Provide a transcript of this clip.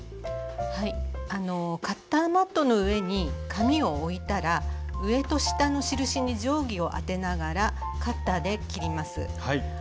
あのカッターマットの上に紙を置いたら上と下の印に定規を当てながらカッターで切ります。